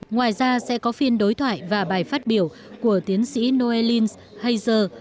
ngoài ra sẽ có phiên đối thoại và bài phát biểu của tiến sĩ noel lins heiser